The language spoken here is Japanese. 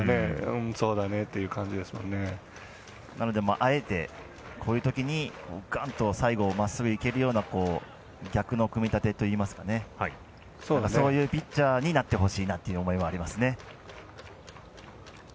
あえて、こういうときにがんと最後まっすぐいけるような逆の組み立てといいますかねそういうピッチャーになってほしいなという思いもありますね。